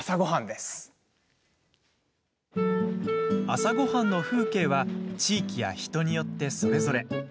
朝ごはんの風景は地域や人によってそれぞれ。